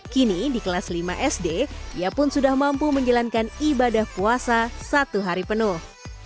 kini di kelas lima sd ia pun sudah mampu menjalankan ibadah puasa satu hari penuh